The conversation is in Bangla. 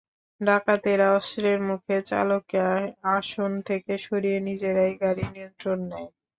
ডাকাতেরা অস্ত্রের মুখে চালককে আসন থেকে সরিয়ে নিজেরাই গাড়ির নিয়ন্ত্রণ নেয়।